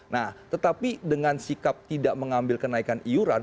nah tetapi dengan sikap tidak mengambil kenaikan iuran